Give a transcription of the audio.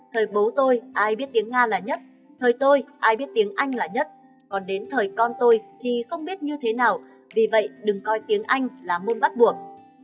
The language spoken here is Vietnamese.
thời bố tôi ai biết tiếng nga là nhất thời tôi ai biết tiếng anh là nhất còn đến thời con tôi thì không biết như thế nào vì vậy đừng coi tiếng anh là môn bắt buộc